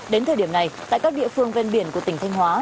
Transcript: đến thời điểm này tại các địa phương ven biển của tỉnh thanh hóa